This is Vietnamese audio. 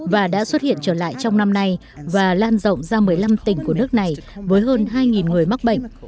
và đã xuất hiện trở lại trong năm nay và lan rộng ra một mươi năm tỉnh của nước này với hơn hai người mắc bệnh